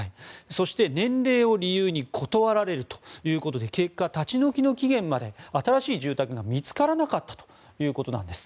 そして年齢を理由に断られるということで結果、立ち退きの期限まで新しい住宅が見つからなかったということなんです。